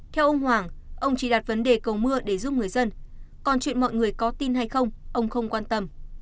theo ông hoàng ông chỉ đặt vấn đề cầu mưa để giúp người dân còn chuyện mọi người có tin hay không ông không quan tâm